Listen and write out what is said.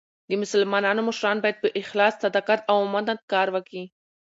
د مسلمانانو مشران باید په اخلاص، صداقت او امانت کار وکي.